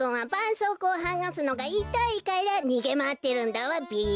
そうこうをはがすのがいたいからにげまわってるんだわべ。